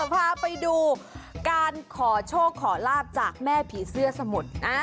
พาไปดูการขอโชคขอลาบจากแม่ผีเสื้อสมุทร